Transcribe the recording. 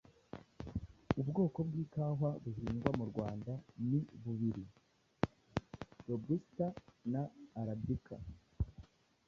Ubwoko bw’ikawa buhingwa mu Rwanda ni bubiri: Robusita na Arabika.